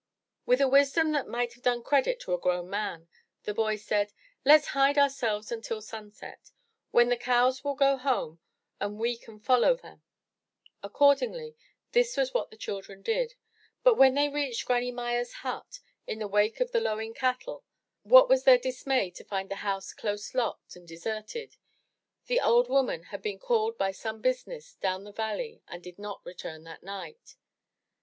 With a wisdom that might have done credit to a grown man, the boy said: Let*s hide ourselves until sunset. Then the cows will go home and we can follow them/* Accordingly, this was what the children did, but when they reached Granny Myers* hut, in the wake of the lowing cattle, what was their dismay to find the house close locked and deserted. The old woman had been called by some business down the valley and did not return that night.